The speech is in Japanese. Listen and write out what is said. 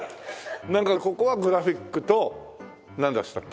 なんかここはグラフィックとなんでしたっけ？